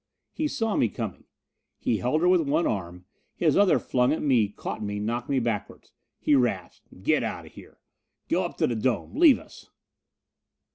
He saw me coming. He held her with one arm: his other flung at me, caught me, knocked me backward. He rasped: "Get out of here! Go up to the dome, leave us."